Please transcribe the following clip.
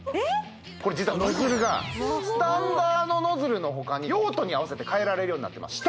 これ実はノズルがスタンダードノズルの他に用途に合わせてかえられるようになってます